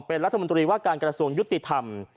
เป็นรัฐมนตรีว่าการกระทรวงยุติธรรม